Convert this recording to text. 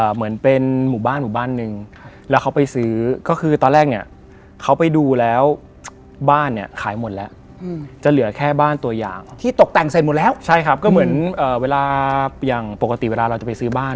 ซึ่งเป็นละครแนวผีแนวความเชื่อเลย